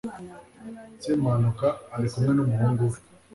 semuhanuka ari kumwe n'umuhungu we